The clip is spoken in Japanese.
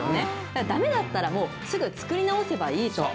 だからだめだったらもうすぐ作り直せばいいと。